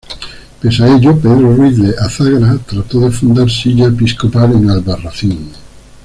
Pese a ello, Pedro Ruiz de Azagra, trató de fundar silla episcopal en Albarracín.